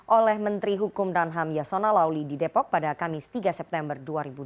oleh menteri hukum dan ham yasona lawli di depok pada kamis tiga september dua ribu dua puluh